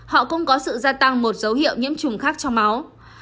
họ cũng có sự gia tăng một dấu hiệu nhiễm trùng khác trong máu